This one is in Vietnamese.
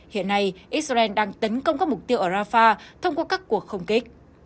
hiện nay israel đang tấn công các mục tiêu ở rafah thông qua các cuộc không kích